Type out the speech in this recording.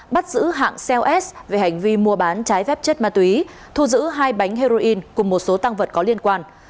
bắt giữ hạng shell s về hành vi mua bán trái phép chất mà tuý thu giữ hai bánh heroin cùng một số tăng vật có liên quan